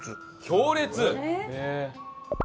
強烈。